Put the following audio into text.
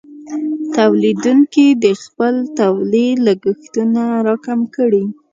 تولیدونکې د خپل تولید لګښتونه راکم کړي.